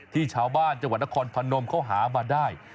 ที่ชาวบ้านจังหวัดนครพนมเขาหามาได้